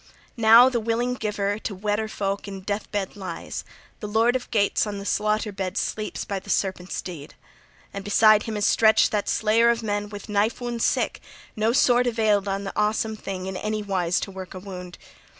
"Now the willing giver to Weder folk in death bed lies; the Lord of Geats on the slaughter bed sleeps by the serpent's deed! And beside him is stretched that slayer of men with knife wounds sick: {38b} no sword availed on the awesome thing in any wise to work a wound.